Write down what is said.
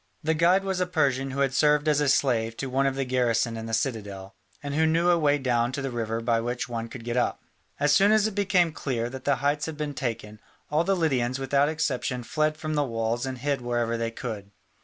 The guide was a Persian who had served as a slave to one of the garrison in the citadel, and who knew a way down to the river by which one could get up. As soon as it became clear that the heights had been taken, all the Lydians without exception fled from the walls and hid wherever they could.